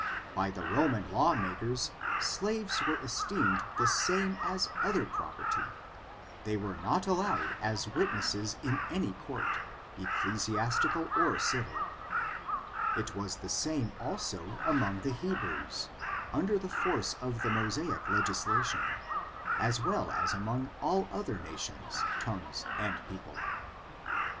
By the Roman law makers, slaves were esteemed the same as other property ; they were not allowed as witnesses in any court, ecclesiastical or civil : it was the same, also, among the Hebrews, under the force of the Mosaic legislation, as well as among all other nations, tongues and people.